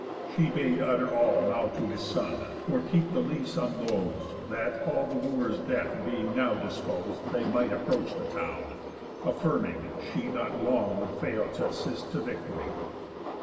She bade utter all Now to his son, nor keep the least unlos'd, That, all the Wooers' deaths being now dispos'd, They might approach the town; affirming; she Not long would fail t' assist to victory.